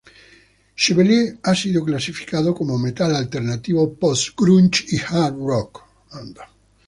Chevelle ha sido clasificado como metal alternativo, post-grunge, y hard rock.